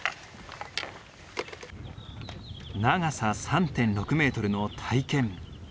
長さ３．６メートルの大剣。